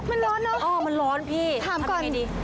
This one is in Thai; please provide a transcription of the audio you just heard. มันร้อนเนอะอ๋อมันร้อนพี่ทำยังไงดีถามก่อน